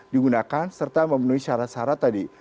digunakan serta memenuhi syarat syarat tadi